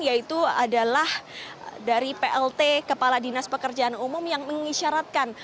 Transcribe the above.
yaitu adalah dari plt kepala dinas pekerjaan umum yang mengisyaratkan